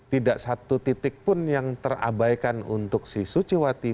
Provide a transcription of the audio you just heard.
tidak satu titik pun yang terabaikan untuk si suciwati